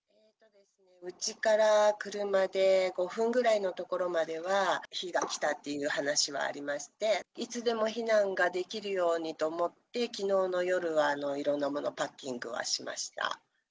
うちから車で５分ぐらいの所までは火が来たっていう話はありまして、いつでも避難ができるようにと思って、きのうの夜はいろんなものをパッキングはしました。